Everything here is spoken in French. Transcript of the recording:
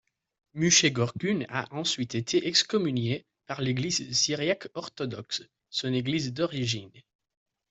Mushe Görgün a ensuite été excommunié par l'Église syriaque orthodoxe, son Église d'origine.